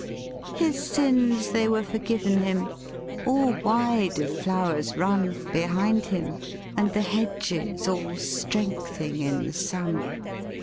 His sins they were forgiven him; or why do flowers run Behind him; and the hedges all strengthing in the sun?